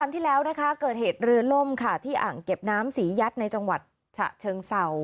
คำที่แล้วเกิดเหตุเรือลงที่อ่างเก็บน้ำสียัดในจังหวัดชะเชิงศาว